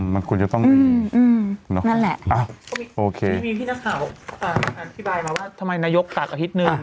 มันคุ้นก็ต้องนั่นแหละโอเคนี่มีพี่นักข่าวไพรส์มาว่าทำไมนายกกากอาทิตย์นึง